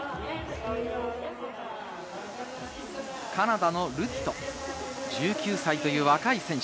カナダのルティト、１９歳という若い選手。